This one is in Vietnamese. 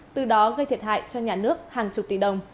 từ đó gây thiệt hại cho nhà nước hàng chục tỷ đồng